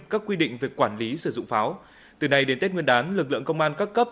các quy định về quản lý sử dụng pháo từ nay đến tết nguyên đán lực lượng công an các cấp